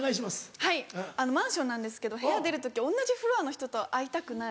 はいマンションなんですけど部屋出る時同じフロアの人と会いたくない。